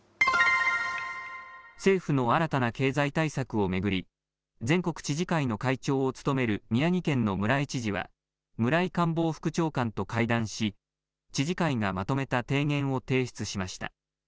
政府の新たな経済対策を巡り全国知事会の会長を務める宮城県の村井知事は村井官房副長官と会談し知事会がまとめた提言を提出しました。